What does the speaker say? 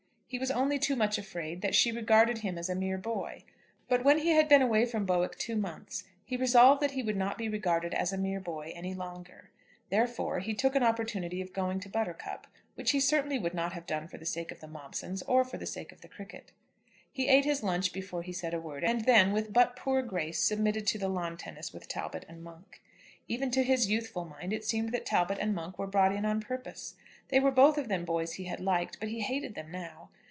He was only too much afraid that she regarded him as a mere boy. But when he had been away from Bowick two months he resolved that he would not be regarded as a mere boy any longer. Therefore he took an opportunity of going to Buttercup, which he certainly would not have done for the sake of the Momsons or for the sake of the cricket. He ate his lunch before he said a word, and then, with but poor grace, submitted to the lawn tennis with Talbot and Monk. Even to his youthful mind it seemed that Talbot and Monk were brought in on purpose. They were both of them boys he had liked, but he hated them now.